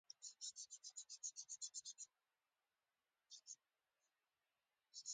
کټوه د خواړو پخولو لپاره لوښی دی